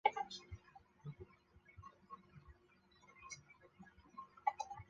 萨克斯是一个位于美国阿拉巴马州卡尔霍恩县的非建制地区和人口普查指定地区。